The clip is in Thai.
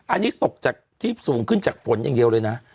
อันนี้ตกจากที่สูงขึ้นจากฝนอย่างเดียวเลยนะ